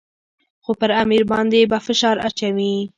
خو پر امیر باندې به فشار اچوي.